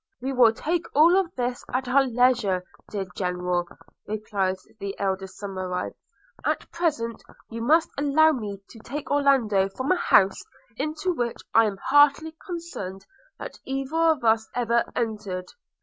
'We will take of all this at our leisure, dear General,' replied the elder Somerive: 'at present you must allow me to take Orlando from an house, into which I am heartily concerned that either of us ever entered.'